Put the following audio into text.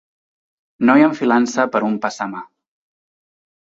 Noi enfilant-se per un passamà.